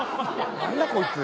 何だこいつ。